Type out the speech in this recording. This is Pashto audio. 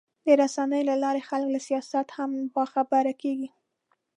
د رسنیو له لارې خلک له سیاست هم باخبره کېږي.